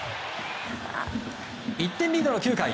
１点リードの９回。